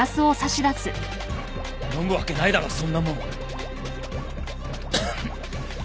飲むわけないだろそんなもん。